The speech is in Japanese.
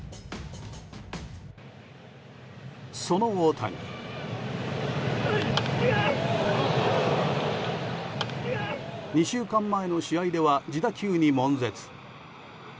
その大谷、２週間前の試合では自打球に悶絶。